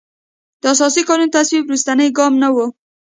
د اساسي قانون تصویب وروستی ګام نه و.